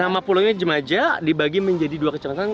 nama pulau nya jemaja dibagi menjadi dua kecamatan